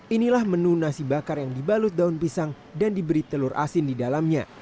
inilah menu nasi bakar yang dibalut daun pisang dan diberi telur asin di dalamnya